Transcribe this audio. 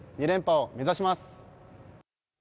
２連覇を目指します！